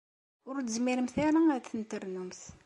Ur tezmiremt ara ad ten-ternumt.